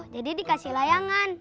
jadi dikasih layangan